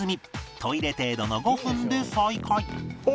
トイレ程度の５分で再開